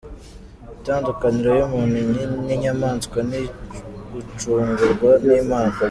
Itandukaniro y’umuntu n’inyamaswa ni ugucungurwa n’Imana